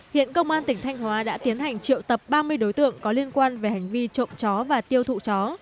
hiện công an tỉnh thanh hóa đã tiến hành triệu tập ba mươi đối tượng có liên quan về hành vi trộm chó và tiêu thụ chó